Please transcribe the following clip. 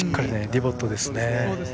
ディボットですね。